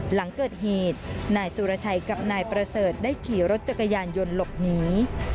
หลังเกิดเหตุนายสุรชัยกับนายประเสริฐได้ขี่รถจักรยานยนต์หลบหนี